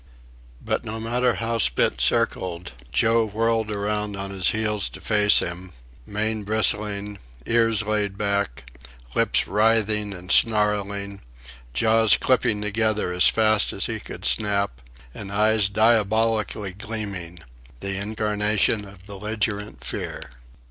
But no matter how Spitz circled, Joe whirled around on his heels to face him, mane bristling, ears laid back, lips writhing and snarling, jaws clipping together as fast as he could snap, and eyes diabolically gleaming—the incarnation of belligerent fear.